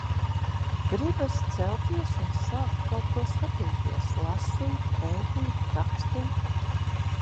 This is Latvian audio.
Gribas celties un sākt kaut ko skatīties, lasīt, pētīt, rakstīt.